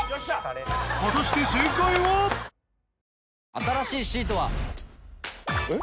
新しいシートは。えっ？